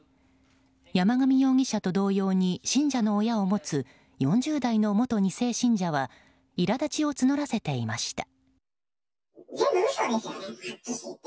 山上容疑者と同様に信者の親を持つ４０代の元２世信者はいら立ちを募らせていました。